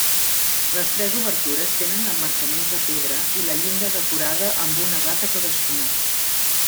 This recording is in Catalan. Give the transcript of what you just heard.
Les tres obertures tenen emmarcaments de pedra i la llinda decorada amb una data cadascuna.